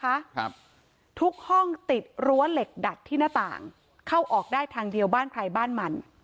ครับทุกห้องติดรั้วเหล็กดัดที่หน้าต่างเข้าออกได้ทางเดียวบ้านใครบ้านมัน